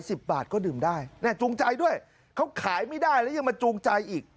สิบบาทก็ดื่มได้แน่จูงใจด้วยเขาขายไม่ได้แล้วยังมาจูงใจอีก